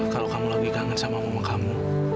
kalau kamu lagi kangen sama mama kamu